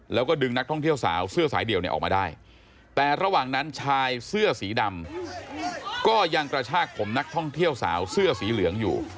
แล้วก็ดึงนักท่องเที่ยวสาวเสื้อสายเดี่ยวเนี่ยออกมาได้แต่ระหว่างนั้นชายเสื้อสีดำก็ยังกระชากผมนักท่องเที่ยวสาวเสื้อสีเหลืองอยู่